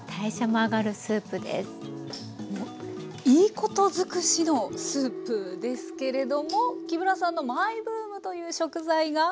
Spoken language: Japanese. もういいこと尽くしのスープですけれども木村さんのマイブームという食材が？